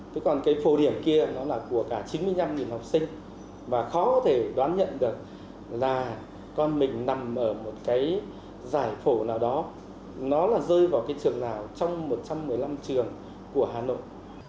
thế còn cái phổ điểm kia nó là của cả chín mươi năm học sinh và khó có thể đón nhận được là con mình nằm ở một cái giải phổ nào đó nó là rơi vào cái trường nào trong một trăm một mươi năm trường của hà nội